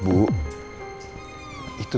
ibu cari bu